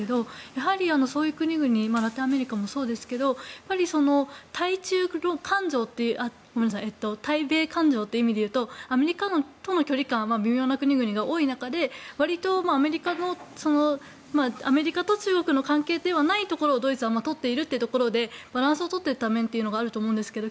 やはり、そういう国々ラテンアメリカもそうですが対米感情っていう意味で言うとアメリカとの距離感は微妙な国々が多い中でわりとアメリカと中国の関係ではないところをドイツは取っているというところでバランスを取っていた面があると思うんですけど